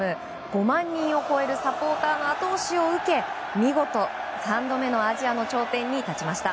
５万人を超えるサポーターの後押しを受け見事、３度目のアジアの頂点に立ちました。